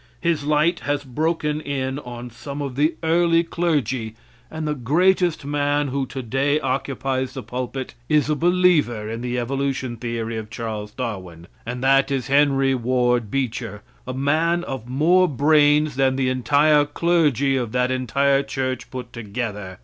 His light has broken in on some of the early clergy, and the greatest man who today occupies the pulpit is a believer in the evolution theory of Charles Darwin and that is Henry Ward Beecher a man of more brains than the entire clergy of that entire church put together.